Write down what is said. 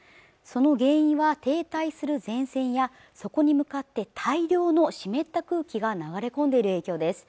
その原因は停滞する前線やそこに向かって大量の湿った空気が流れ込んでいる影響です